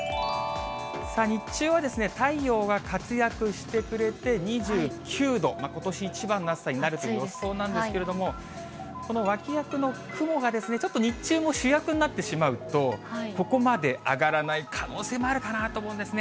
日中は太陽が活躍してくれて、２９度、ことし一番の暑さになるという予想なんですけれども、この脇役の雲がですね、ちょっと日中も主役になってしまうと、そこまで上がらない可能性もあるかなと思うんですね。